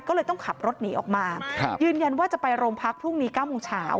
ก็เลยต้องขับรถหนีออกมายืนยันว่าจะไปโรงพักพรุ่งนี้๙โมงเช้า